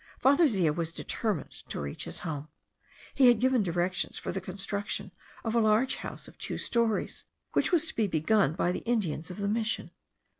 Father Zea was determined to reach his home. He had given directions for the construction of a large house of two stories, which was to be begun by the Indians of the mission.